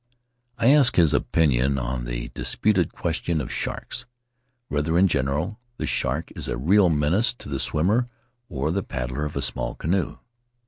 I asked his opinion on the disputed question of sharks — whether, in general, the shark is a real menace to the swimmer or the paddler of a small canoe.